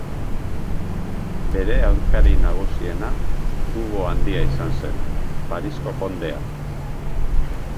Bere aurkari nagusiena Hugo Handia izan zen, Parisko kondea.